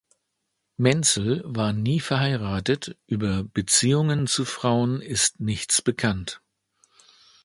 Menzel war nie verheiratet, über Beziehungen zu Frauen ist nichts bekannt.